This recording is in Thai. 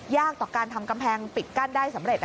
ต่อการทำกำแพงปิดกั้นได้สำเร็จ